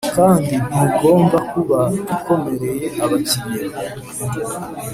Kandi ntigomba kuba ikomereye abakiriya